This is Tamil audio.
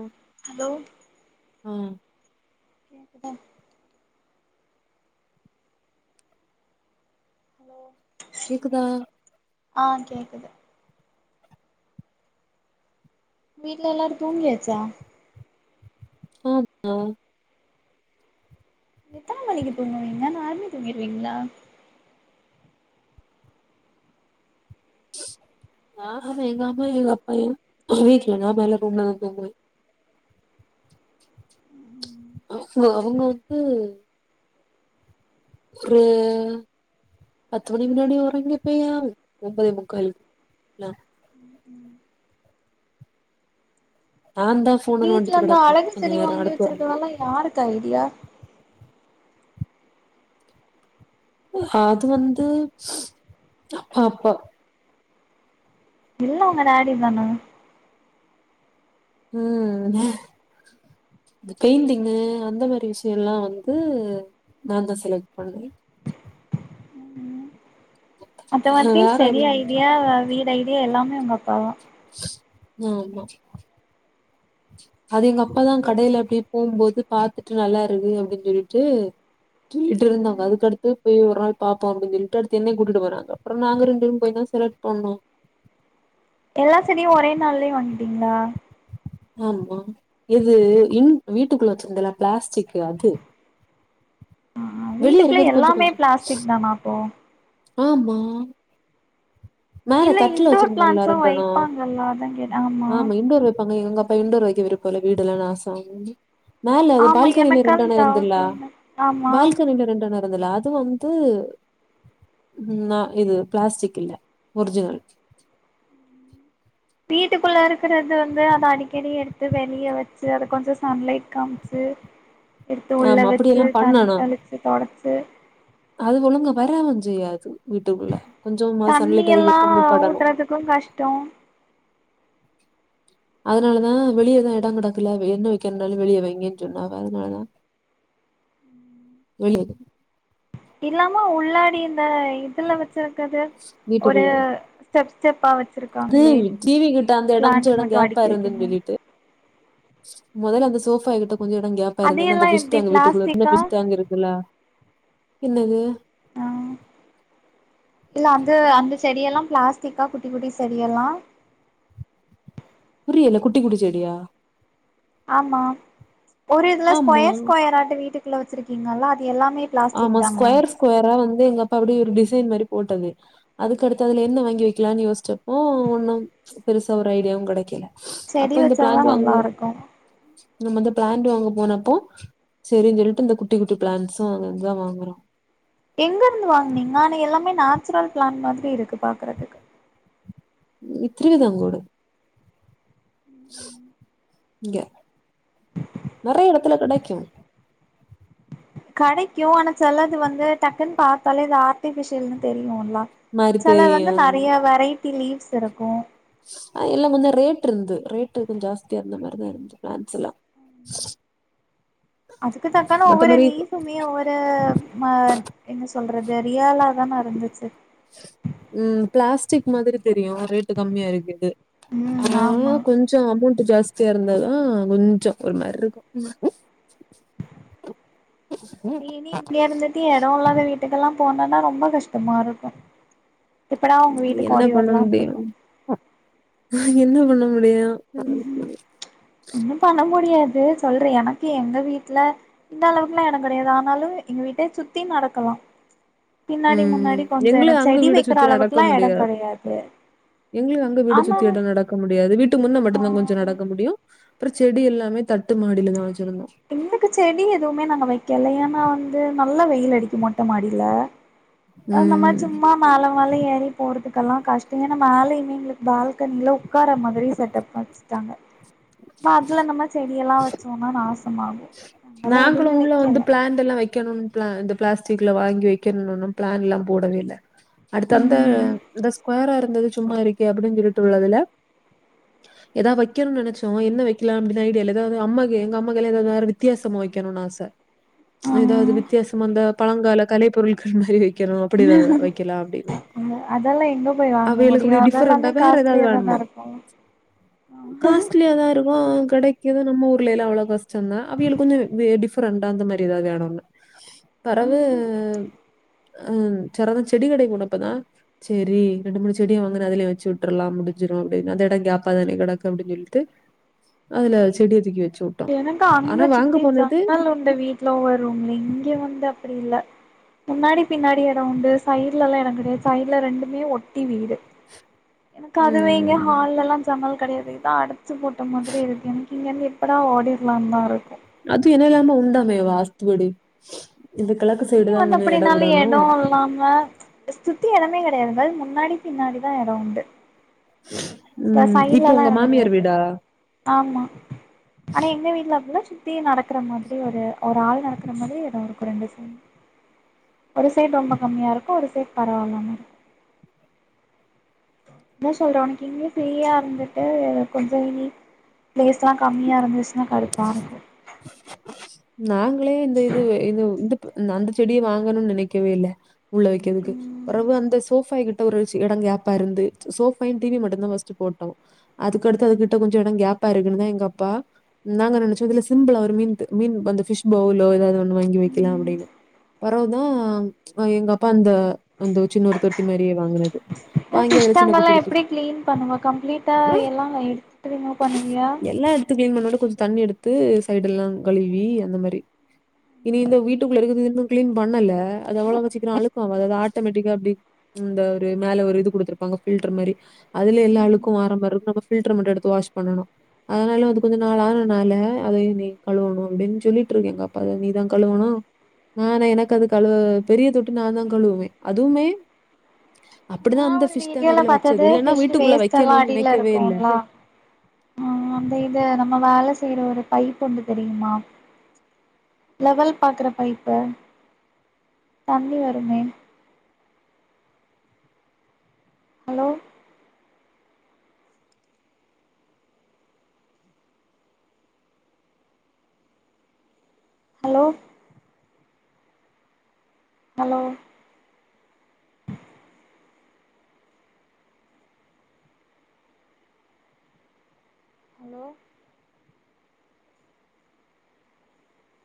ம் ஹலோ ம் [inaudible] ஹலோ கேக்குதா ஆ கேக்குது வீட்ல எல்லாரு தூங்கியாச்சா ஆமா எத்தன மணிக்கு தூங்குவீங்க நேரமே தூங்கிருவீங்களா ஆ ஆமா எங்க அம்மா எங்க அப்பா வீட்ல நா மேல ரூம்ல தா தூங்குவே அவங்க அவங்க வந்து ஒரு பத்து மணி முன்னாடி ஓறங்கி பேயா ஒன்பதே முக்கால் ல நாந்தா வீட்ல இருந்த அழகு செடி வாங்கி வச்சிருக்கல்லால யாருக்கு ஐடியா அது வந்து அப்ப அப்ப இல்ல உங்க டேடி தானா ம் பெயிண்டிங்கு அந்த மாரி விஷய எல்லா வந்து நா தா செலக்ட் பண்னே அது மாதிரி வேற செடி எல்லா ஐடியா வீடு ஐடியா எல்லாமே உங்க அப்பாதா ஆமா அது எங்க அப்பாதா கடையில அப்டியே போம்போது பாத்துுட்டு நல்லா இருக்கு அப்டின்னு சொல்லிட்டு தூங்கிட்டு இருந்தாங்க அதுக்கு அடுத்து போய் ஒரு நாள் பாப்போ அப்டின்னு சொல்லிட்டு அடுத்து என்ன கூட்டிட்டு போனாங்க அப்றோ நாங்க ரெண்டு பேர் போய் தா செலக்ட் பண்ணோ எல்லா செடியு ஒரே நாலேயே வாங்கிட்டீங்களா ஆமா இது இன் வீட்டுக்குள்ள வச்சிருந்தல பிளாஸ்டிக்கு அது ஆ வெளிய வீட்டுக்குள்ள இருக்கறது கொஞ்சோ எல்லாமே கொஞ்சோ பிளாஸ்டிக் தானா அப்போ ஆமா மேல இல்ல தட்டல இன்டோர் வச்சிருந்தல்லா பிளான்ட்ஸு ரெண்டான வைப்பாங்கல்ல அதா கேட்ட ஆமா இன்னொரு பங்கு எங்க பிரண்ட் டோர் வைக்க விருப்போ இல்ல வீடுலா நாசோ மேல அந்த ஆமா பால்கனில எனக்கு அது ரெண்டான டவுட் இருந்துல்லா உண்டு ஆமா பால்கனில ரெண்டனா அதுலாது வந்து நா இது ப்ளாஸ்டிக் இல்ல ஒரிஜினல் வீட்டுக்குள்ள இருக்கிறது வந்து அத அடிக்கடி எடுத்து வெளியே வச்சு அத கொஞ்சு சன்லைட் காமிச்சு எடுத்து உள்ள ஆமா வச்சு அப்டியெல்லா தண்ணி பண்ணனு தெளிச்சு தொடச்சு அது ஒழுங்க வராவ செய்யாது வீட்டுக்குள்ள கொஞ்சமா சன்லைட் அது எப்பவுமே படணு க்கு கஷ்டோ அதனாலதா வெளியேதா எடோ கெடக்கல என்ன வெக்கிறனாலு வெளியே வைங்கன்னு சொன்னாங்க அதனாலதா சொல்லு இல்லாம உள்ளாடி இந்த இதுல வச்சிருக்கது ஒரு வீட்டுக்குள்ள ஸ்டெப் ஸ்டெப்பா அது வச்சுருக்காங்களே டிவி கிட்ட அந்த இடம் பிளான்ட் கொஞ்சம் இடம் மட்டு அடுக்கி வைக்கணு மொதல்ல அந்த சோபாய்கிட்ட கொஞ்சு எடோ கேப் ப்ப இருந்தேன்ன அதையெல்லா அந்த பிஸ் எப்டி டேங்க் வீட்டுக்குள்ள என்ன பிளாஸ்டிக்கா பிஸ்டேங்க் இருக்குல்ல என்னது ஆ இல்ல அது அந்த செடியெல்லா பிளாஸ்டிக்கா குட்டி குட்டி செடி எல்லா புரியல குட்டி குட்டி செடியா ஆமாம் ஒரு இதுல ஆமா. ஸ்கொயர் ஸ்கொயராட்டு வீட்டுக்குள்ள வச்சிருக்கீங்களா அது எல்லாமே பிளாஸ்டிக் ஆமா தானா ஸ்கொயர் ஸ்கொயரா வந்து எங்க அப்பா அப்படி ஒரு டிசைன் மாரி போட்டது அதுகடுத்து அதுல என்ன வாங்கி வெக்கலானு யோசிச்சப்போ ஒன்னு பெருசா ஒரு ஐடியாவு கெடைக்கல செடி அப்போ இந்த வச்சாதா பிளான்ட் நல்லா வாங்குறோ இருக்கு நம்ம அந்து பிளான்ட் வாங்க போனப்போ சரின்னு சொல்லிட்டு இந்த குட்டி குட்டி பிளான்ட்ஸ் நாங்க இதா வாங்குறோ எங்க இருந்து வாங்குனீங்க ஆனா எல்லாமே நேச்சுரல் பிளான்ட் மாரி இருக்கு பாக்குறதுக்கு இத்ரி தங்கொடு இங்க நெறைய எடத்துல கெடைக்கு கடைக்கு ஆனா செலது வந்து டக்குன்னு பாத்தாலே இது ஆர்ட்டிபிஷியல்னு தெரியுல்ல மாரி செல வந்து தெரியும் நறையா வெரைட்டி லீவ்ஸ் இருக்கு அ எல்லா வந்து ரேட் இருந்தது ரேட் கொஞ்சு ரேட் கொஞ்சு ஜாஸ்தியா இருந்த மாரிதா இருந்தது பிளான்ட்ஸ் எல்லா அதுக்கு தக்கான ஒவ்வொரு மத்தபடி லீப்புமே ஒவ்வொரு தா மா என்ன சொல்றது ரியாலா தான இருந்துச்சு உம் பிளாஸ்டிக் மாதிரி தெரியு ரேட்டு கம்மியா இருக்குது ஆ ம் ஆமா கொஞ் கொஞ்சு அமௌண்ட்டு ஜாஸ்தியா இருந்தாதா கொஞ்சு ஒரு மாரி இருக்கு ம் இனி இங்க இருந்துட்டு எடோ இல்லாத வீட்டுக்கெல்லா போனாதா ரொம்ப கஷ்டமா இருக்கு எப்படா உங்க வீட்டுக்கு ஓடி வரலான்டு இருக்கு ஆ என்ன பண்ண முடியு ன்னு பண்ண முடியாது சொல்ற எனக்கு எங்க வீட்ல அந்த அளவுக்கெல்லா எடோ கெடையாது ஆனாலு எங்க வீட்ட சுத்தி நடக்கலா பின்னாடி உம் முன்னாடி கொஞ்சோ எடோ எங்களே அங்க செடி வீட வைக்கிற சுத்தி நடக்க அளவுக்குலா எடோ முடியாது கெடையாது எங்களு அங்க வீட ஆனா சுத்தி எட நடக்க முடியாது வீட்டு முன்ன ஆ மட்டும்தான் கொஞ்சம் நடக்க முடியும் அப்புறம் செடி எல்லாமே தட்டு மாடியிலதான் வச்சிருந்தோம் பின்னுக்கு செடி எதுவுமே நாங்க வைக்கல ஏன்னா வந்து நல்லா வெயில் அடிக்கு மொட்ட மாடியில ஆ நம்ம ம். சும்மா மேல மேல ஏறி போறதுக்கெல்லா கஷ்டோ ஏன்னா மேலையுமே எங்களுக்கு பால்கனில உ உட்கார மாதிரி செட்டப் வச்சுட்டாங்க அப்ப அதுல நம்ம செடியெல்லா வச்சோன்னா நாசமாகு அதனால நாங்களு எதுவுமே உள்ள வந்து வைக்கல பிளான் பிளான்ட் எல்லா வைக்கணும்னு பிளான் இந்த பிளாஸ்டிக்ல வாங்கி வைக்கணும்னு பிளான் எல்லா போடவே இல்ல அடுத்து வந்து ம் இந்த ஸ்கொயரா இருந்தது சும்மா இருக்கே அப்டின்னு சொல்லிட்டு உள்ளதுல ஏதாவ வைக்கணுன்னு நினச்சசோ என்ன வெக்கலா அப்படினு ஐடியா இல்ல ஏதாவது அம்மாக்கு எங்க அம்மாக்கு வித்தியாசம வைக்கணும்னு ஆசை ஏதாவது ஆ வித்தியாசம அந்த பழங்கால கலைப்பொருட்கள் மாதிரி வை வைக்கனும் அப்படிதான் வைக்கலாம் அப்படின்னு அதெல்லாம் எங்க போய் வாங்க அவைகளுக்கு முடியும் அப்படி அதெல்லாமே காஸ்ட்லியா தானே இருக்கும் காஸ்ட்லியாதான் இருக்கும் ஆனா கெடைக்குது நம்ம ஊர்ல எல்லா அவளோ கஷ்டம்தான் அவியல் கொஞ்சம் டிஃபரெண்டா அந்த மாதிரி ஏதாவது ஒன்னு பெறவு ஹம் சடனா செடி கடைக்கு போனப்ப தான் செரி ரெண்டு மூணு செடிய வாங்கன்னா அதுலயே வச்சு விட்டுடலாம் முடிஞ்சிரும் அப்படின்னு அந்த இடம் கேப்பாதானே கெடக்கு அப்படின்னு சொல்லித் அதுல செடியா தூக்கி வெச்சு எனக்கு அங்க சுத்தி ஜன்னல் உண்ட வீட்டுல வரும் இங்க வந்து அப்படி இல்ல முன்னாடி பின்னாடி இடவுண்டு சைடுல எல்லாம் இடம் கெடையாது சைடுல ரெண்டுமே ஒட்டி வீடு ம்ம் எனக்கு அது வைங்க உம் ஹால்ல எல்லாம் ஜன்னல் கெடையாது இது அடைச்சு போட்ட மாதிரி இருக்கு எனக்கு இங்க எப்படா ஓடிடலாம்னு தான் இருக்கு அது என்னடாமே உண்டாமே வாஸ்துப் படி இந்த கிளாஸ் க்கு இங்க வந்து அப்படின்னாலும் ஏனோ இல்லாம இங்க சுத்தி இடமே கெடையாது முன்னாடி பின்னாடி தான் இடம் உண்டு இந்த உம் இப்போ சைட்லல்லா உங்க எடோ மாமியார் கெடையாது வீடா ஆமா ஆனா எங்க வீட்ல வந்து தி நடக்கிற மாதிரி ஒரு ஆள் நடக்கிற மாதிரி ஏதோ ஒரு குரண்டு ஒரு சைடு ரொம்ப கம்மியா இருக்கு ஒரு சைடு பரவாலயா இருக்கு மு சொல்றேன் அன்னைக்கு ஃப்ரீயா இருந்துட்டு கொஞ்சம் இனி பிளேஸ் எல்லாம் காமியா இருந்துச்சுன்னா கடுப்பாகுது நாங்களே இந்த இது இ வந்து நான் அந்த செடியை வாங்கணும்னு நினைக்கவே இல்லை உள்ள வைக்கிறதுக்கு ம் பெறவு அந்த சோபாய் கிட் ஒரு இடம் கேப்பா இருந்து சோஃபா டிவி மட்டும் தான் ஃபர்ஸ்டு போட்டோம் அதுக்கடுத்து அதுகிட்ட கொஞ்சம் இடம் கேப் ஆ இருக்குன்னு எங்க அப்பா நாங்க நினைச்சோம் அதுல சிம்பிளா ஒரு மீன் மீன் அந்த பிஷ் பவுலோ ஏதாவது ஒன்னு வாங்கி வைக்கலாம் ம் அப்படின்னு பெரவதான் எங்க அப்பா அந்த அந்த சின்ன ஒரு தொட்டி மாதிரியே வாங்குனது வாங்கி அதுல சிஸ்டம் சின்ன குட்டி எல்லாம் குட்டி எப்படி கிளீன் பண்ணுவ கம்ப்ளீட்டா எல்லாம் எடுத்துட்டு ரிமுவ் பண்ணுவியா த்து கிளின் பண்ணுனோனே கொஞ்சம் தண்ணி எடுத்து சைடு எல்லாம் கழுவி அந்த மாதிரி இனி இந்த வீட்டுக்குள்ள இருக்குது இன்னும் கிளீன் பண்ணல அது அவ்வளவு சிக்கிறம் அழுக்கும் ஆவாது ஆட்டோமேட்டிக்கா அப்படி இந்த ஒரு மேல ஒரு இது கொடுத்துருப்பாங்க பில்டர் மாதிரி அதுல எல்லா அழுக்கும் வர மாதிரி இருக்கும் நாம பில்டர் மட்டும் எடுத்து வாஷ் பண்ணணும் அதனால வந்து கொஞ்ச நாள் அதனால அதை நீ கழுவனும் அப்படின்னு சொல்லிட்டு இருந்தேன் எங்க அப்பா அதை நீதான் கழுவனும் நானே எனக்கு அது கழுவ பெரிய தொட்டி நான் தான் கழுவுவேன் அதுவுமே அப்டிதான் அந்த ம் ஃபிஷ் டேங்க் வீடியலப் அதுல வச்சது. பாத்தது இல்லன்னா ஃபிஷு வீட்டுக்குள்ள வேஸ்ட் எல்லா வைக்கணும்னு அடில நெனைக்கவே இல்ல. இருக்குல்லா ஆ அந்த இது நம்ம வேல செய்ற ஒருப் பைப்பு ஒண்டு தெரியுமா லெவல் பாக்கற பைப்ப தண்ணி வருமே ஹலோ ஹலோ ஹலோ ஹலோ